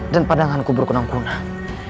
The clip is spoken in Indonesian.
dan padanganku berkunung kunang